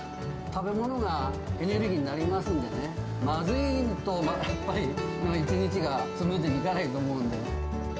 食べ物がエネルギーになりますんでね、まずいとまたやっぱり、一日がスムーズにいかないと思うんで。